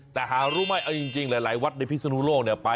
แต่หารู้ไม่เอาจริงหลายวัดในพิศนุโลกเนี่ย